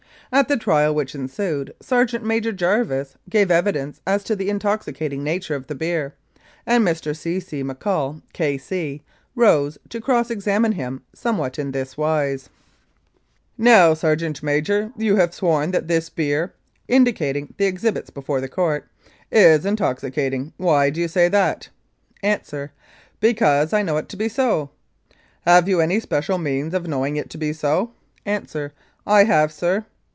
At the trial which ensued, Sergeant Major Jarvis gave evidence as to the intoxicating nature of the beer, and Mr. C. C. McCaul, K.C., rose to cross examine him, somewhat in this wise : "Now, Sergeant Major, you have sworn that this beer (indicating the exhibits before the Court) is intoxicating. Why do you say that?" Answer :" Because I know it to be so." "Have you any special means of knowing it to be so?" Answer: "I have, sir."